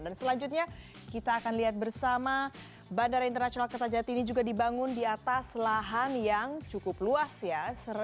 dan selanjutnya kita akan lihat bersama bandara internasional kertajati ini juga dibangun di atas lahan yang cukup luas ya